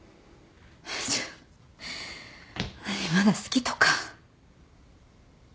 まだ好きとか？